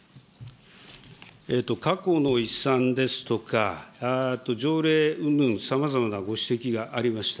過去の遺産ですか、条例うんぬん、さまざまなご指摘がありました。